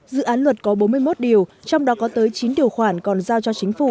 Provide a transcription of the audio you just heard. dự án luật có bốn mươi một điều trong đó có tới chín điều khoản còn giao cho chính phủ